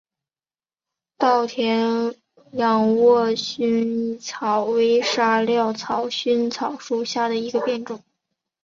稻田仰卧秆藨草为莎草科藨草属下的一个变种。